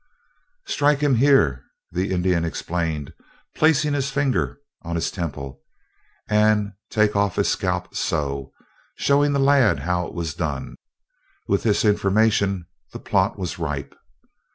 "Strike him here," the Indian explained, placing his finger on his temple, "and take off his scalp so," showing the lad how it was done. With this information, the plot was ripe.